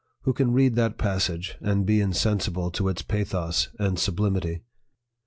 Who can read that passage, and be insensible to its pathos and sublimity ?